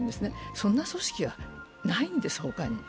そんな組織はないんです、ほかに。